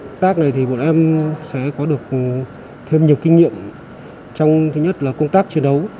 công tác này thì bọn em sẽ có được thêm nhiều kinh nghiệm trong thứ nhất là công tác chiến đấu